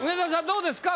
どうですか？